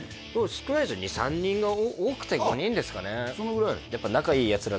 少ないですよ２３人多くて５人ですかねそのぐらい？